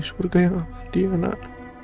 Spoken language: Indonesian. surga yang alfadiyah nak